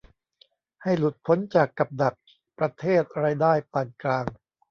ให้หลุดพ้นจากกับดักประเทศรายได้ปานกลาง